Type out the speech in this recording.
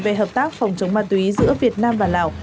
về hợp tác phòng chống ma túy giữa việt nam và lào